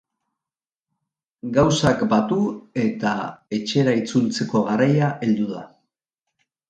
Gauzak batu eta etxera itzultzeko garaia heldu da.